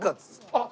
あっ！